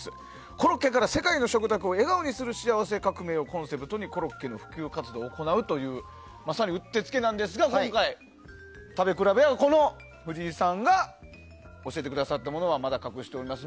コロッケから世界の食卓を笑顔にする幸せ革命をコンセプトにコロッケの普及活動を行うまさにうってつけなんですが今回、食べ比べは藤井さんが教えてくださったものはまだ隠しております。